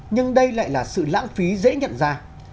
nhưng đây lại là sự lãng phí dễ nhận ra